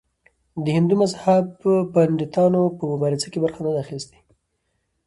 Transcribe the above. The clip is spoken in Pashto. د هندو مذهب پنډتانو په مبارزو کې برخه نه ده اخیستې.